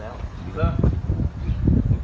สวัสดีทุกคน